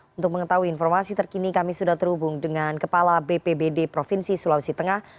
untuk mengetahui informasi terkini kami sudah terhubung dengan kepala bpbd provinsi sulawesi tengah